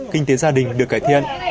kinh tế gia đình được cải thiện